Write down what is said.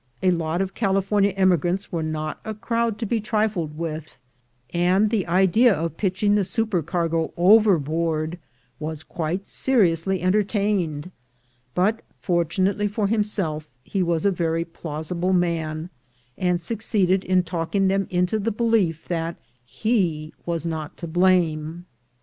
A lot of California em^rants are not a crowd to be trifled with, and the idea of pitching die supercargo overboard was quite seriously entertained; but, for tunately for himself, he was a very plausible man, and succeeded in talking them into die belief that he was not to blame.